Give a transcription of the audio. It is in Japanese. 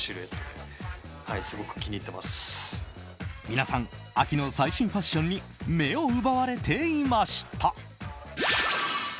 皆さん秋の最新ファッションに目を奪われていました。